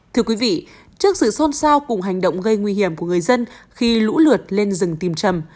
thưa quý vị trước sự xôn xao cùng hành động gây nguy hiểm của người dân khi lũ lụt lên rừng tìm chầm